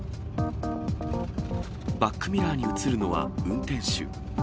バックミラーに映るのは運転手。